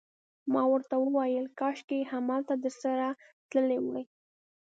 ما ورته وویل: کاشکي همالته درسره تللی وای.